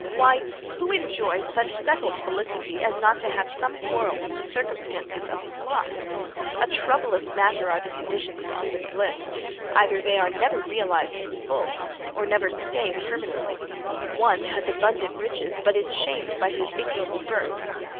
Why, who enjoys such settled felicity as not to have some quarrel with the circumstances of his lot? A troublous matter are the conditions of human bliss; either they are never realized in full, or never stay permanently. One has abundant riches, but is shamed by his ignoble birth.